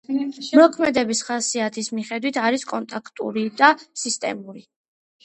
მოქმედების ხასიათის მიხედვით არის კონტაქტური და სისტემური.